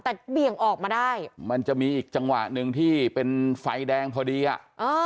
แต่เบี่ยงออกมาได้มันจะมีอีกจังหวะหนึ่งที่เป็นไฟแดงพอดีอ่ะเออ